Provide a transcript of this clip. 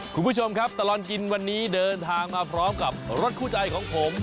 คุณผู้ชมครับตลอดกินวันนี้เดินทางมาพร้อมกับรถคู่ใจของผม